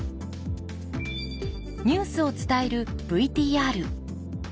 ニュースを伝えるＶＴＲ。